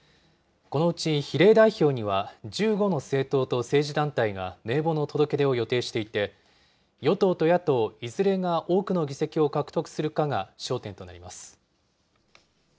このうち比例代表には、１５の政党と政治団体が名簿の届け出を予定していて、与党と野党いずれが多くの議席を獲得するかが焦点となります。